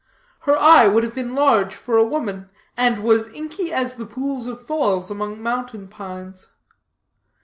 Her eye would have been large for a woman, and was inky as the pools of falls among mountain pines.